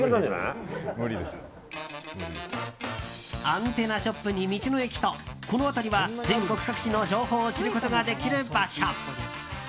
アンテナショップに道の駅とこの辺りは全国各地の情報を知ることができる場所。